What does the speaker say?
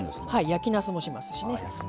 焼きなすもしますしね。